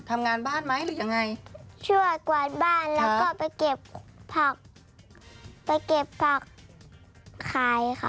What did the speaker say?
ทำงานบ้านไหมหรือยังไงช่วยกวาดบ้านแล้วก็ไปเก็บผักไปเก็บผักขายค่ะ